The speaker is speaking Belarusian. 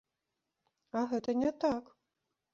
А гэта не так!